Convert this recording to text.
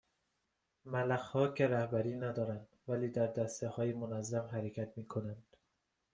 ملخها که رهبری ندارند ولی در دستههای منظم حرکت میکنند